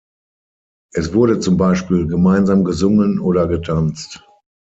Es wurde zum Beispiel gemeinsam gesungen oder getanzt.